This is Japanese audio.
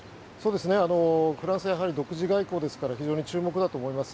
フランスはやはり独自外交ですから非常に注目だと思います。